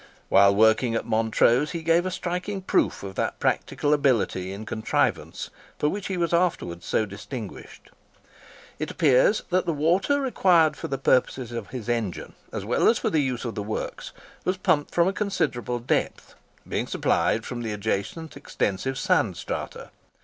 While working at Montrose he gave a striking proof of that practical ability in contrivance for which he was afterwards so distinguished. It appears that the water required for the purposes of his engine, as well as for the use of the works, was pumped from a considerable depth, being supplied from the adjacent extensive sand strata.